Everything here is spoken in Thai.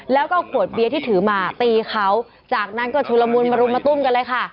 แล้วก็ขวดเบียร์ที่ถือมาตีเขาจากนั้นก็ชุลมุนมารุมมาตุ้มกันเลยค่ะ